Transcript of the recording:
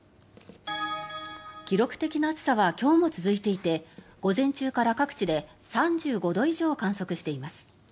記録的な暑さは今日も続いていて午前中から各地で３５度以上を観測しています。